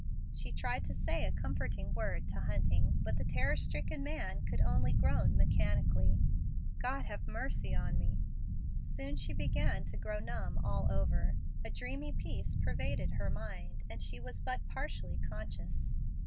She tried to say a comforting word to Hunting, but the terror stricken man could only groan mechanically, "God have mercy on me!" Soon she began to grow numb all over. A dreamy peace pervaded her mind, and she was but partially conscious.